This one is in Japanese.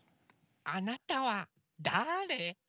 あなたはだあれ？